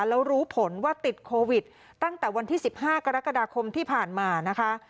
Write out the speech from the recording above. แล้วรู้ผลว่าติดโควิดตั้งแต่วันที่๑๕กรกฎาคมที่ผ่านมานะคะ